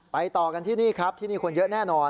ต่อกันที่นี่ครับที่นี่คนเยอะแน่นอน